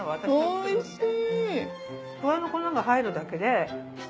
おいしい！